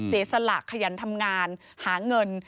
เสียสละขยันทำงานหาเงิน